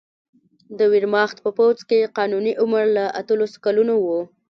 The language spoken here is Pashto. د ویرماخت په پوځ کې قانوني عمر له اتلسو کلونو و